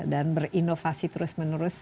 dan berinovasi terus menerus